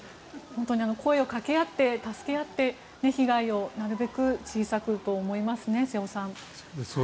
声をかけ合って助け合って被害をなるべく小さくと思いますね、瀬尾さん。